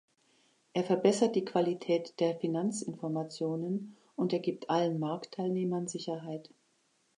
Er verbessert die Qualität der Finanzinformationen, und er gibt allen Marktteilnehmern Sicherheit.